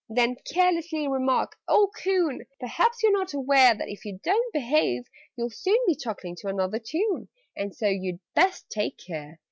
"Then carelessly remark 'Old coon! Perhaps you're not aware That, if you don't behave, you'll soon Be chuckling to another tune And so you'd best take care!'